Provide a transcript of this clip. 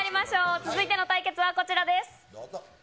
続いての対決はこちらです。